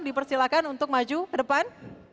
dipersilakan untuk maju ke depan